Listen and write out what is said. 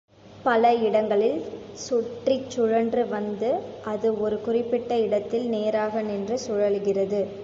பல இடங்களில் சுற்றிச் சுழன்று வந்த அது ஒரு குறிப்பிட்ட இடத்தில் நேராக நின்று சுழலுகிறது.